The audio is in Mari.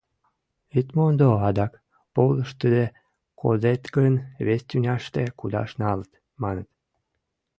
Ит мондо адак, полдыштыде кодет гын, вес тӱняште кудаш налыт, маныт.